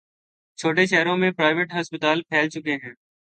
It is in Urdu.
چھوٹے شہروں میں پرائیویٹ ہسپتال پھیل چکے ہیں۔